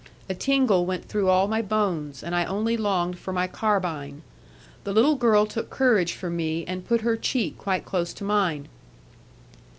A tingle went through all my bones, and I only longed for my carbine. The little girl took courage from me, and put her cheek quite close to mine.